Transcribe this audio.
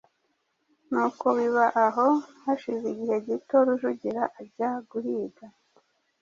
Nuko biba aho; hashize igihe gito, Rujugira ajya guhiga,